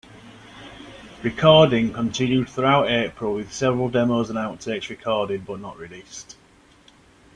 Recording continued through April with several demos and out-takes recorded but not released.